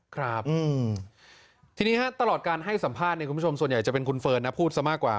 ครับทีนี้ฮะตลอดการให้สัมภาษณ์เนี่ยคุณผู้ชมส่วนใหญ่จะเป็นคุณเฟิร์นนะพูดซะมากกว่า